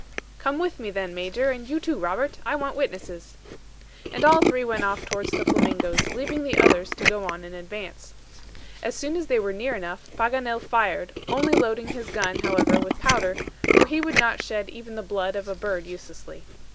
"Come with me, then, Major, and you too Robert. I want witnesses." And all three went off towards the flamingos, leaving the others to go on in advance. As soon as they were near enough, Paganel fired, only loading his gun, however, with powder, for he would not shed even the blood of a bird uselessly.